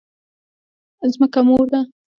ځمکه مور ده؟